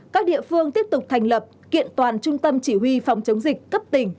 các địa phương tiếp tục thành lập kiện toàn trung tâm chỉ huy phòng chống dịch cấp tỉnh